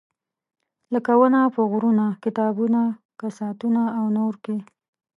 لکه ونه په غرونه، کتابونه، کساتونه او نور کې.